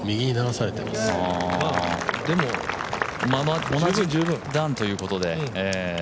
でも同じ段ということで。